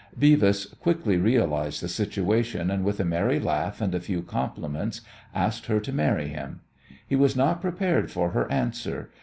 Beavis quickly realized the situation, and with a merry laugh and a few compliments asked her to marry him. He was not prepared for her answer.